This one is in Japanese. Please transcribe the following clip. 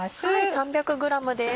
３００ｇです。